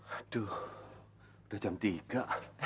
aduh udah jam tiga